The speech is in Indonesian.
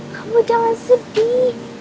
kamu jangan sedih